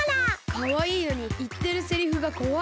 かわいいのにいってるセリフがこわい。